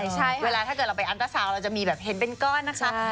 เวลาถ้าเกิดเราไปอันตราซาวน์เราจะมีแบบเห็นเป็นก้อนนะคะ